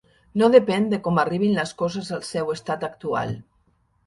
No depèn de com arribin les coses al seu estat actual.